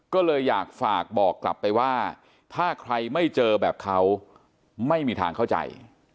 ก็เลยอยากฝากบอกกลับไปว่าถ้าใครไม่เจอแบบเขาไม่มีทางเข้าใจ